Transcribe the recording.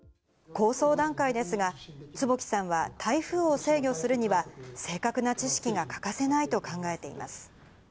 構想段階ですが、坪木さんは台風を制御するには正確な知識が欠かせないと考えています。